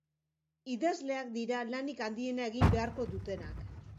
Idazleak dira lanik handiena egin beharko dutenak